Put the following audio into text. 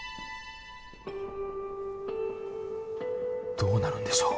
どうなるんでしょう？